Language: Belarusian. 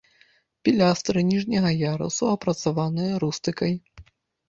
Пілястры ніжняга ярусу апрацаваныя рустыкай.